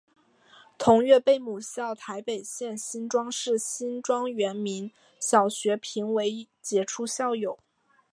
同月被母校台北县新庄市新庄国民小学评为杰出校友。